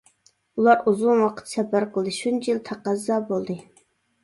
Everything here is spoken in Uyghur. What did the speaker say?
ئۇلار ئۇزۇن ۋاقىت سەپەر قىلدى، شۇنچە يىل تەقەززا بولدى.